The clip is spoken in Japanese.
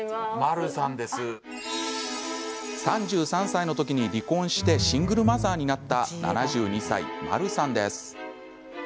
３３歳の時に離婚してシングルマザーになった７２歳、まるさんです。